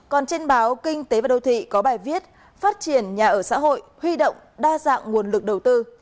còn trên báo kinh tế và đô thị có bài viết phát triển nhà ở xã hội huy động đa dạng nguồn lực đầu tư